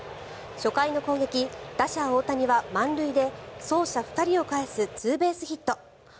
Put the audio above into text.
初回の攻撃、打者・大谷は満塁で走者２人をかえすツーベースヒット。